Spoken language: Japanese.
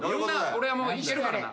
俺はもういけるからな。